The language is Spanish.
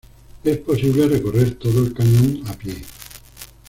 Es posible recorrer todo el cañón a pie.